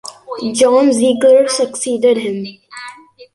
John Ziegler succeeded him.